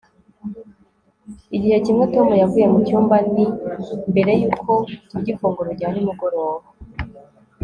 igihe kimwe tom yavuye mucyumba ni mbere yuko turya ifunguro rya nimugoroba